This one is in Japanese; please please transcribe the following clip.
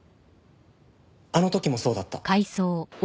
あの時もそうだった。